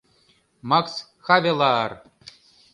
МАКС ХАВЕЛААР